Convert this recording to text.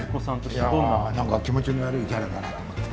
いや何か気持ちの悪いキャラだなと思って。